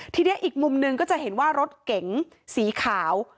ทีนี้อีกมุมหนึ่งก็จะเห็นว่ารถเก๋งสีขาว